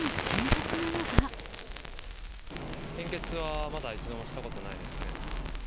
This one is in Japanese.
献血はまだ一度もしたことないですね。